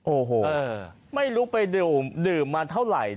โอ้โหไม่รู้ไปดื่มมาเท่าไหร่